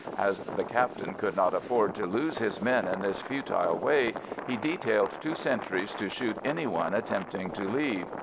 As the 134 AMERICAN AMBULANCE captain could not afford to lose his men in this futile way, he detailed two sentries to shoot any one attempting to leave.